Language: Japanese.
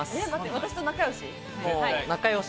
私と仲良し？